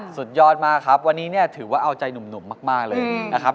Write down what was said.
สุดยอดมากครับวันนี้เนี่ยถือว่าเอาใจหนุ่มมากเลยนะครับ